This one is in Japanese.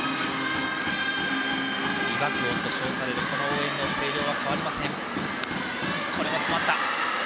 美爆音と称される応援の声量は変わりません。